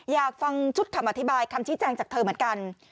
อยากฟังชุดคำอธิบายคำชี้แจงจากเธอเหมือนกัน